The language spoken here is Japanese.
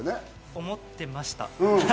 思ってました。